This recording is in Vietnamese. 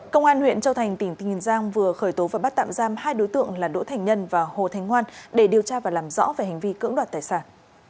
công an huyện châu thành tỉnh giang vừa khởi tố và bắt tạm giam hai đối tượng là đỗ thành nhân và hồ thánh ngoan để điều tra và làm rõ về hành vi cưỡng đoạt tài sản